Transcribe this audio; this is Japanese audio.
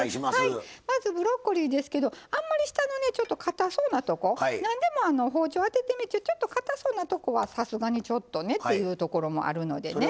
まずブロッコリーですけどあんまり下のねちょっとかたそうなとこ何でも包丁当ててみてちょっとかたそうなとこはさすがにちょっとねっていうところもあるのでね。